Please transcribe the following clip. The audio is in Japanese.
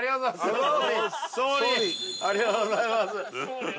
総理ありがとうございます！